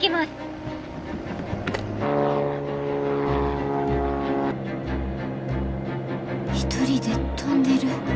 心の声一人で飛んでる。